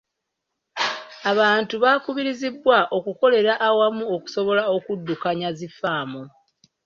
Abantu baakubirizibwa okukolera awamu okusobola okuddukanya zi ffaamu.